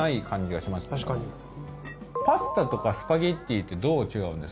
パスタとかスパゲティってどう違うんですか？